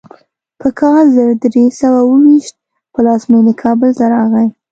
په کال زر درې سوه اوو ویشت پلازمینې کابل ته راغی.